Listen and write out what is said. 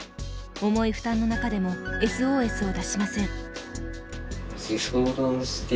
重い負担の中でもＳＯＳを出しません。